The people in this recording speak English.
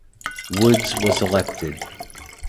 Woods was elected.